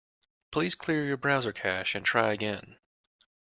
Please clear your browser cache and try again.